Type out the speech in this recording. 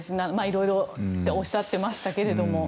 いろいろっておっしゃっていましたけれども。